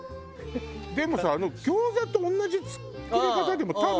でもさ餃子と同じ作り方でも多分できるよね。